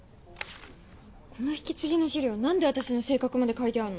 この引き継ぎの資料なんで私の性格まで書いてあるの？